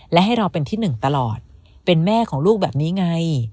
และให้เราเป็นที่หนึ่งตลอดเป็นแม่ของลูกแบบนี้ไง